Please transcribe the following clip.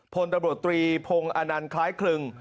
พลตำรวจตรีโพรงอานันทร์คล้ายครึ่ง